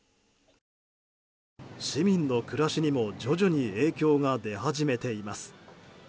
市民の暮らしにも徐々に影響が出始めています。